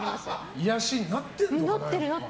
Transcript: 癒やしになってる。